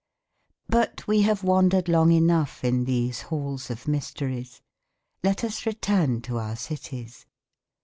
But we have wandered long enough in these halls of mysteries. Let us return to our cities.